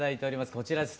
こちらです。